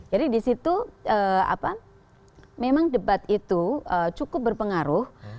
jadi di situ apa memang debat itu cukup berpengaruh